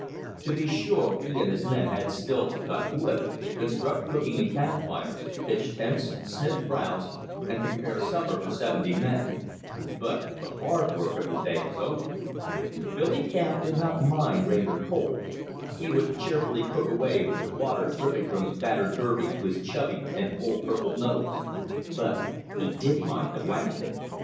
To be sure he and his men had still to cut wood, construct cooking and camp fires, pitch tents, snip browse, and prepare supper for seventy men; but the hard work of the day was over. Billy Camp did not mind rain or cold he would cheerfully cook away with the water dripping from his battered derby to his chubby and cold purpled nose but he did mind the wanigan.